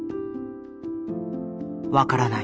分からない。